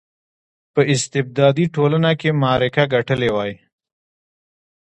په استبدادي ټولنه کې معرکه ګټلې وای.